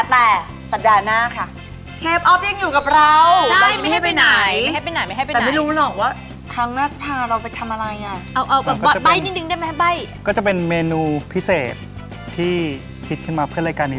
ถูกต้องค่ะแต่สัดยานหน้าค่ะ